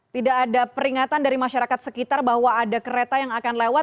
tidak ada peringatan dari masyarakat sekitar bahwa ada kereta yang akan lewat